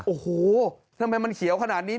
โอ้โหทำไมมันเขียวขนาดนี้